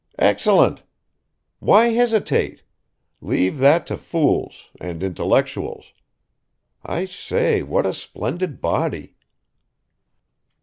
"Excellent. Why hesitate? Leave that to fools and intellectuals. I say what a splendid body!"